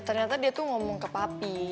ternyata dia tuh ngomong ke papi